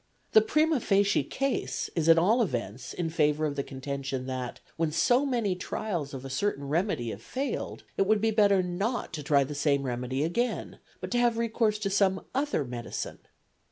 The primâ facie case is at all events in favour of the contention that, when so many trials of a certain remedy have failed, it would be better not to try the same remedy again, but to have recourse to some other medicine.